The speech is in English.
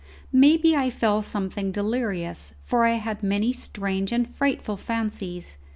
Maybe I fell something delirious, for I had many strange and frightful fancies.